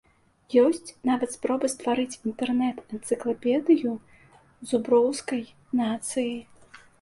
Ёсць нават спроба стварыць інтэрнэт-энцыклапедыю зуброўскай нацыі.